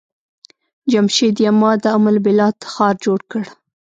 جمشيد يما د ام البلاد ښار جوړ کړ.